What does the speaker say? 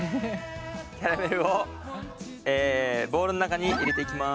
キャラメルをボウルの中に入れていきます。